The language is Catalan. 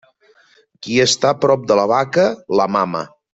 Qui està prop de la vaca, la mama.